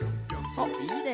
おっいいね。